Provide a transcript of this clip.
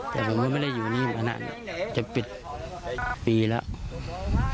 แต่ผมก็ไม่ได้อยู่นี่ขนาดจะปิดปีแล้ว